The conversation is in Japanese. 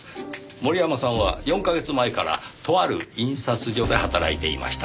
森山さんは４カ月前からとある印刷所で働いていました。